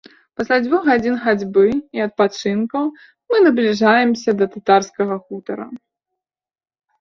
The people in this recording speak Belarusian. Пасля дзвюх гадзін хадзьбы і адпачынкаў мы набліжаемся да татарскага хутара.